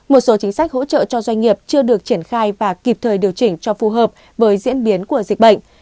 một số chính sách hỗ trợ cho doanh nghiệp chưa được triển khai và kịp thời điều chỉnh cho phù hợp với diễn biến của dịch bệnh